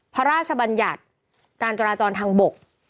พระราชบัญญัติการจราจรทางบก